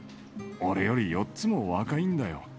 俺より４つも若いんだよ。